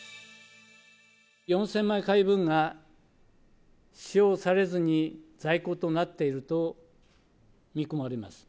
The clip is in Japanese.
４０００万回分が使用されずに在庫となっていると見込まれます。